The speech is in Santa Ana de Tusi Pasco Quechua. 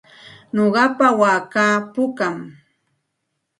Nuqapa waakaa pukam.